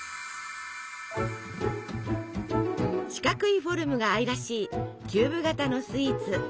四角いフォルムが愛らしいキューブ型のスイーツ！